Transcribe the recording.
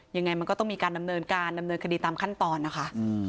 ยังไงมันก็ต้องมีการดำเนินการดำเนินคดีตามขั้นตอนนะคะ